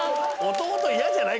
弟嫌じゃない？